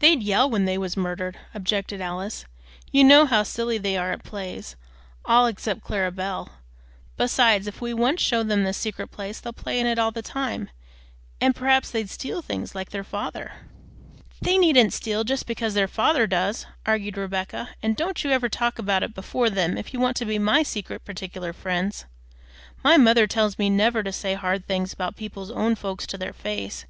"They'd yell when they was murdered," objected Alice; "you know how silly they are at plays, all except Clara Belle. Besides if we once show them this secret place, they'll play in it all the time, and perhaps they'd steal things, like their father." "They needn't steal just because their father does," argued Rebecca; "and don't you ever talk about it before them if you want to be my secret, partic'lar friends. My mother tells me never to say hard things about people's own folks to their face.